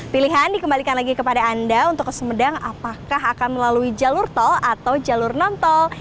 pilihan dikembalikan lagi kepada anda untuk ke sumedang apakah akan melalui jalur tol atau jalur non tol